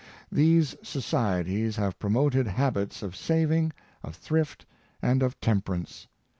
These societies have promoted habits of saving, of thrilt, and of temperance.